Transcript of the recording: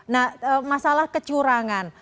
nah masalah kecurangan